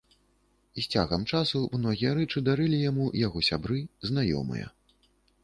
З цягам часу многія рэчы дарылі яму яго сябры, знаёмыя.